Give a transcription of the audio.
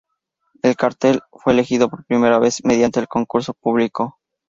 El cartel fue elegido por primera vez mediante concurso público.